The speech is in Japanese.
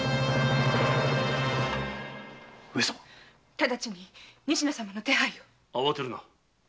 直ちに仁科様の手配を慌てるな。